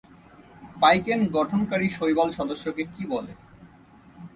পাইকেন গঠনকারী শৈবাল সদস্যকে কী বলে?